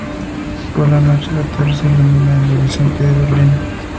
Por la noche, la torre se ilumina en el horizonte de Berlín.